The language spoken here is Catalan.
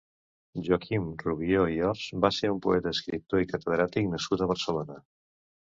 Joaquim Rubió i Ors va ser un poeta, escriptor i catedràtic nascut a Barcelona.